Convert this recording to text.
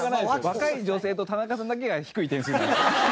若い女性と田中さんだけが低い点数。